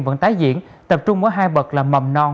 vẫn tái diễn tập trung ở hai bậc là mầm non